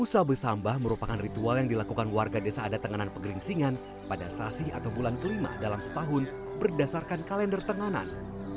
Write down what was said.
usah bersambah merupakan ritual yang dilakukan warga desa adatenganan pegeringsingan pada sasi atau bulan kelima dalam setahun berdasarkan kalender tenganan